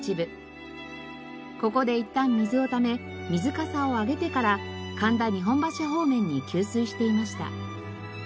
ここでいったん水をため水かさを上げてから神田日本橋方面に給水していました。